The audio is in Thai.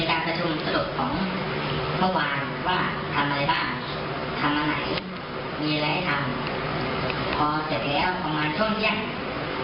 จะเป็นการประทุนสรุปของเมื่อวานว่าทำอะไรบ้างทำอันไหนมีอะไรให้ทำ